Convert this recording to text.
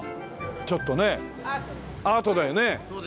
ちょっとねアートだよね。